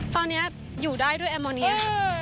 ตอนนี้อยู่ได้ด้วยแอมโมเนีย